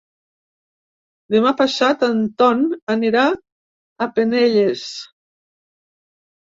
Demà passat en Ton anirà a Penelles.